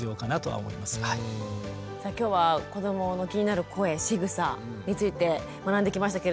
さあ今日は子どもの気になる声しぐさについて学んできましたけれども。